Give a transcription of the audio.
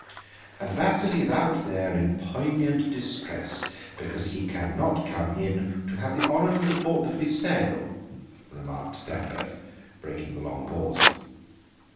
"And Vasili is out there in poignant distress because he can not come in 'to have the honor to report that we sail,'" remarked Stanief, breaking the long pause.